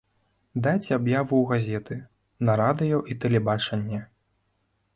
Дайце аб'яву ў газеты, на радыё і тэлебачанне.